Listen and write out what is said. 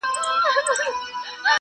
مخ يې ونيوى پر كور ما ته يې شا سوه،